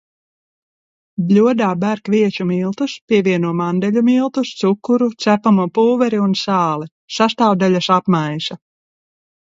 Bļodā ber kviešu miltus, pievieno mandeļu miltus, cukuru, cepamo pulveri un sāli, sastāvdaļas apmaisa.